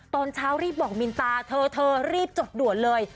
ตอนเช้ารีบบอกมินตาเธอเธอรีบจดด่วนเลย